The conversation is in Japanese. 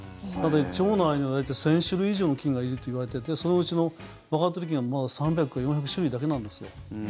腸内には大体１０００種類以上の菌がいるといわれててそのうちのわかっている菌がまだ３００から４００種類だけなんですよ。